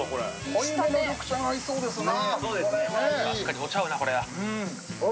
濃いめの緑茶合いそうですね。